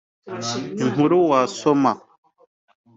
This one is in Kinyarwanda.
Inkuru wasoma